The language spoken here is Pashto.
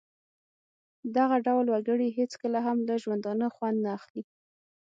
دغه ډول وګړي هېڅکله هم له ژوندانه خوند نه اخلي.